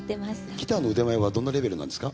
ギターの腕前はどんなレベルなんですか？